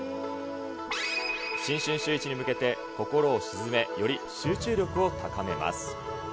新春シューイチに向けて心を静め、より集中力を高めます。